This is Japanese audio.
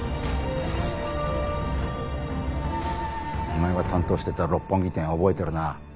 お前が担当してた六本木店覚えてるな？